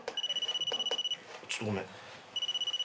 ちょっとごめん。